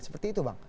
seperti itu bang